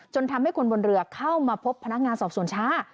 ทำให้คนบนเรือเข้ามาพบพนักงานสอบสวนช้า